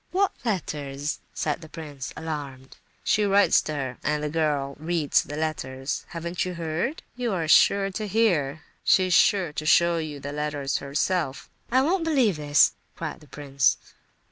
"What letters?" said the prince, alarmed. "She writes to her—and the girl reads the letters. Haven't you heard?—You are sure to hear; she's sure to show you the letters herself." "I won't believe this!" cried the prince.